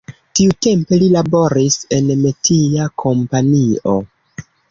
Tiutempe li laboris en metia kompanio.